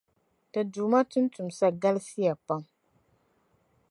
Ti duuma tuntumsa galisiya pam.